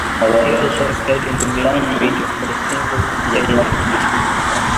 He also appeared in the music video for the single "Daylight".